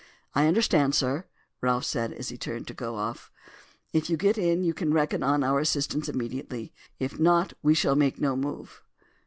"I understand, sir," Ralph said as he turned to go off. "If you get in you can reckon on our assistance immediately; if not, we shall make no move."